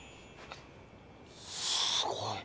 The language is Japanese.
すごい。